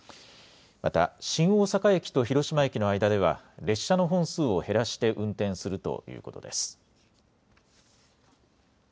また新大阪駅と広島駅の間では列車の本数を減らして運転するということです。